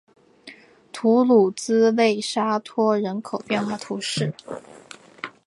图卢兹勒沙托人口变化图示